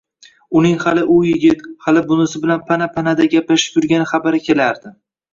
Uning hali u yigit, hali bunisi bilan pana-panada gaplashib yurgani xabari kelardi